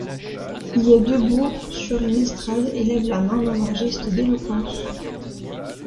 Il est debout sur une estrade et lève la main dans un geste d'éloquence.